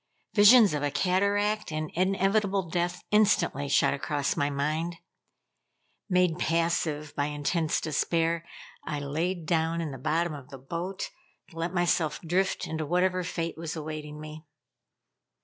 Visions of a cataract and inevitable death instantly shot across my mind. Made passive by intense despair, I laid down in the bottom of the boat, to let myself drift into whatever fate was awaiting me.